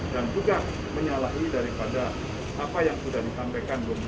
dan juga menyalahi daripada apa yang sudah disampaikan